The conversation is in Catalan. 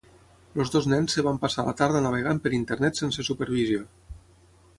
Els dos nens es van passar la tarda navegant per internet sense supervisió.